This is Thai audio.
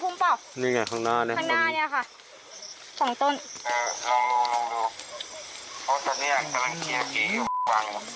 คือคุณโดดยานเขาแล้ว